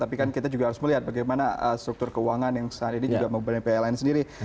tapi kan kita juga harus melihat bagaimana struktur keuangan yang sehari ini juga membenahi pln sendiri